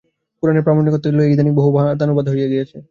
পুরাণের প্রামাণিকত্ব লইয়া ইদানীং বহু বাদানুবাদ হইয়া গিয়াছে।